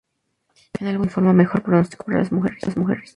En algunas series se informa mejor pronóstico para las mujeres.